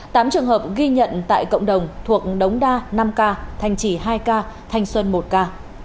tám trường hợp ghi nhận tại cộng đồng thuộc đống đa năm ca thanh trì hai ca thanh xuân một ca